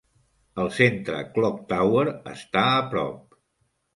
El centre Clocktower està a prop.